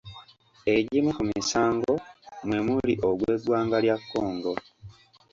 Egimu ku misango mwe muli ogw’eggwanga lya Congo.